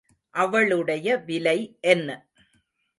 அவளுடைய விலை என்ன?